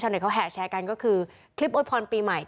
เต็เขาแห่แชร์กันก็คือคลิปโวยพรปีใหม่